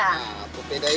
nah pupeda ini